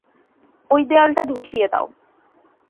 ওই দেয়ালটা ধসিয়ে দাও।